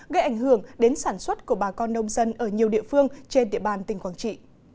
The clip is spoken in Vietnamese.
gây ảnh hưởng đến sản xuất của bà con nông dân ở nhiều địa phương trên địa bàn tỉnh quảng trị